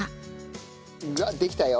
できたよ。